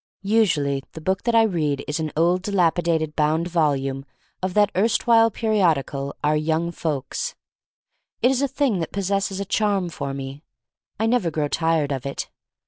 Usually the book that I read is an old dilapidated bound volume of that erstwhile peri odical, "Our Young Folks/* It is a thing that possesses a charm for me. I never grow tired of it.